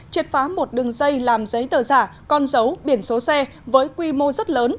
triệt phá một đường dây làm giấy tờ giả con dấu biển số xe với quy mô rất lớn